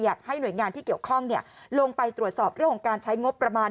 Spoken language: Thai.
อยากให้หน่วยงานที่เกี่ยวข้องลงไปตรวจสอบเรื่องของการใช้งบประมาณ